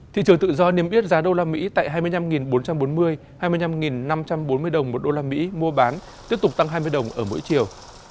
thị trường tự do niêm yết giá đô la mỹ tại hai mươi năm bốn trăm bốn mươi hai mươi năm năm trăm bốn mươi đồng một đô la mỹ mua bán tiếp tục tăng hai mươi đồng ở mỗi chiều